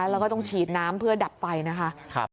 แล้วก็ต้องฉีดน้ำเพื่อดับไฟนะคะ